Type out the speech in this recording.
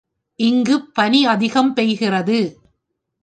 இங்குப் பனி அதிகம் பெய்கிறது.